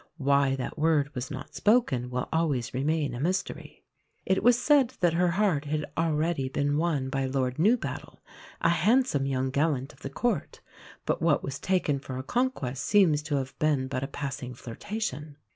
Why that word was not spoken will always remain a mystery. It was said that her heart had already been won by Lord Newbattle, a handsome young gallant of the Court; but what was taken for a conquest seems to have been but a passing flirtation.